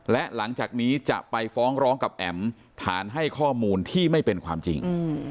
และหลังจากนี้จะไปฟ้องร้องกับแอ๋มฐานให้ข้อมูลที่ไม่เป็นความจริง